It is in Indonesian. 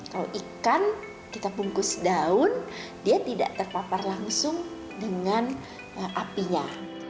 kalau ikan kita bungkus daun dia tidak terpapar langsung dengan apinya